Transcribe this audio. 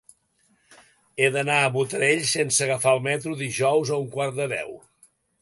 He d'anar a Botarell sense agafar el metro dijous a un quart de deu.